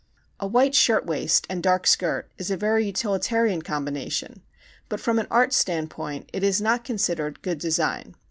A white shirt waist and dark skirt is a very utilitarian combination, but from an art standpoint it is not considered good design.